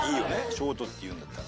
ショートっていうんだったら。